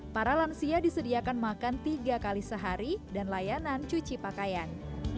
para lansia disediakan makan tiga kali sehari dan layanan cuci pakaian